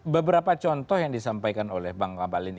beberapa contoh yang disampaikan oleh bang kabalin